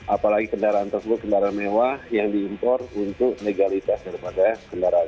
apalagi kendaraan tersebut kendaraan mewah yang diimpor untuk legalitas daripada kendaraan